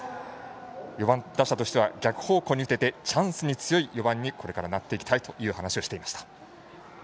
４番打者としては逆方向に打ててチャンスに強い４番にこれからなっていきたいと話していました。